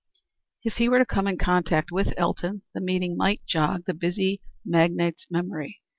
If he were to come in contact with Elton, the meeting might jog the busy magnate's memory.